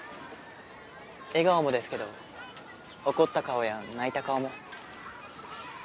笑顔もですけど怒った顔や泣いた顔も。